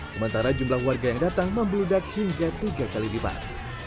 sementara jumlah warga yang datang membeludak hingga tiga kali lipat